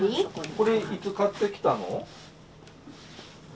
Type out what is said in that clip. これいつ買ってきたの？